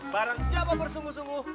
barang siapa bersungguh sungguh